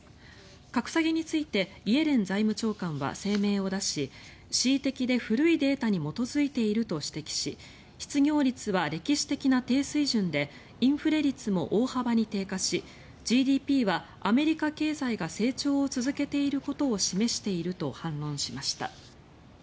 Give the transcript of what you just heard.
格下げについてイエレン財務長官は声明を出し恣意的で古いデータに基づいていると指摘し失業率は歴史的な低水準でインフレ率も大幅に低下しＧＤＰはアメリカ経済が成長を続けていることを示していると反論しました。